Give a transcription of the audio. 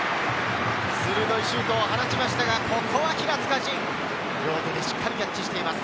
鋭いシュート放ちましたが、ここは平塚仁、両手でしっかりキャッチしています。